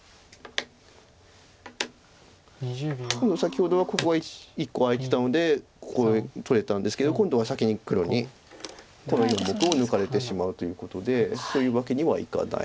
今度先ほどはここが１個空いてたのでこれ取れたんですけど今度は先に黒にこの４目を抜かれてしまうということでそういうわけにはいかない。